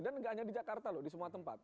dan tidak hanya di jakarta lho di semua tempat